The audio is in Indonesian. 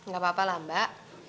gak apa apa lah mbak